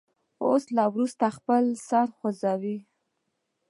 اوس او وروسته خپل سر وخوځوئ.